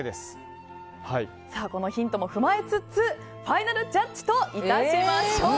ヒントも踏まえつつファイナルジャッジと致しましょう。